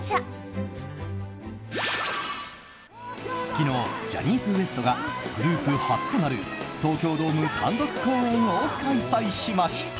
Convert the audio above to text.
昨日、ジャニーズＷＥＳＴがグループ初となる東京ドーム単独公演を開催しました。